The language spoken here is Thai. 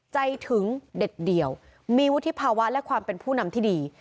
ถึงเด็ดเดี่ยวมีวุฒิภาวะและความเป็นผู้นำที่ดี